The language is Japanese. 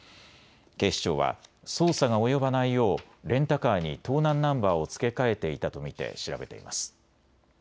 警視庁は捜査が及ばないようレンタカーに盗難ナンバーを付け替えていたと見て調べています。